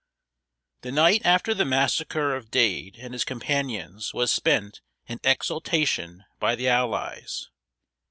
The night after the massacre of Dade and his companions was spent in exultation by the allies.